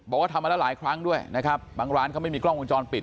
ทำมาแล้วหลายครั้งด้วยนะครับบางร้านเขาไม่มีกล้องวงจรปิด